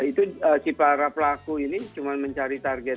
itu si para pelaku ini cuman mencari tanggung